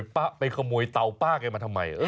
ไปขโมยเตาป้าแกมาทำไม